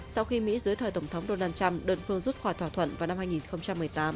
sau khi mỹ dưới thời tổng thống donald trump đơn phương rút khỏi thỏa thuận vào năm hai nghìn một mươi tám